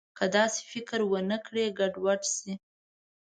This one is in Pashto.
که داسې فکر ونه کړي، ګډوډ شي.